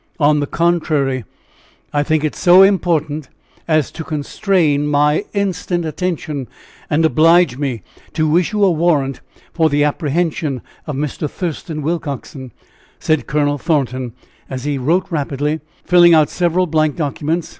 "On the contrary, I think it so important as to constrain my instant attention, and oblige me to issue a warrant for the apprehension of Mr. Thurston Willcoxen," said Colonel Thornton, as he wrote rapidly, filling out several blank documents.